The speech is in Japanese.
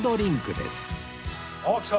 あっきた！